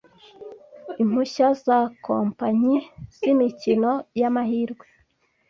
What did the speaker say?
impushya za kompanyi z’imikino y’amahirwe